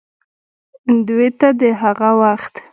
دوې ته دَ هغه وخت